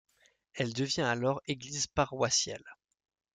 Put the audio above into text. Elle devient alors église paroissiale.